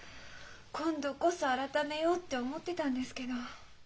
今度こそ改めようって思ってたんですけど。